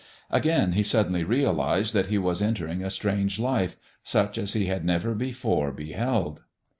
Again he suddenly realized that he was entering a strange life, such as he had never before beheld.